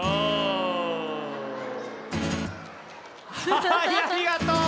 はいありがとう！